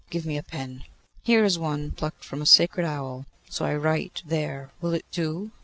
Give me a pen! 'Here is one, plucked from a sacred owl.' 'So! I write. There! Will it do?